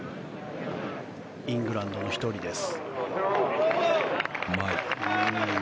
イングランドの１人です。